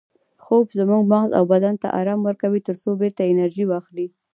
خوب زموږ مغز او بدن ته ارام ورکوي ترڅو بیرته انرژي واخلي